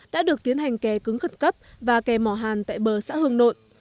đã được tiến hành kè cứng khẩn cấp và kè mỏ hàn tại bờ xã hương nội